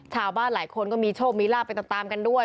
ชาวบ้านหลายคนก็มีโชคมีลาบไปตามกันด้วย